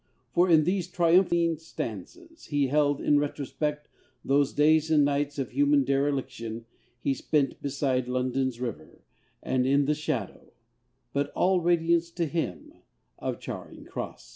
For in these triumphing stanzas, he held in retrospect those days and nights of human dereliction he spent beside London's River, and in the shadow but all radiance to him of Charing Cross.